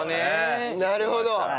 なるほど！